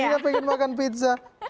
iya pengen makan pizza